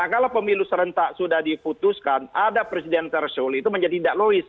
kalau pemilu serentak sudah diputuskan ada presiden threshold itu menjadi tidak lois